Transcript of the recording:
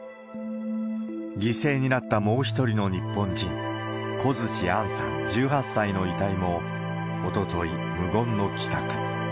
犠牲になったもう一人の日本人、小槌杏さん１８歳の遺体もおととい、無言の帰宅。